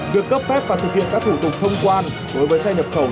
việc cấp phép và thực hiện các thủ tục thông quan đối với xe nhập khẩu